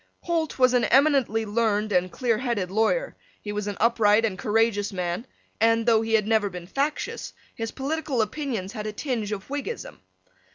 Holt was an eminently learned and clear headed lawyer: he was an upright and courageous man; and, though he had never been factious, his political opinions had a tinge of Whiggism.